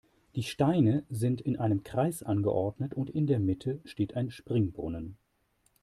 Die Steine sind in einem Kreis angeordnet und in der Mitte steht ein Springbrunnen.